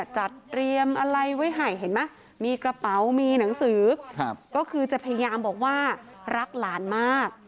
จัดเตรียมอะไรไว้ให้เห็นไหมมีกระเป๋ามีหนังสือก็คือจะพยายามบอกว่ารักหลานมาก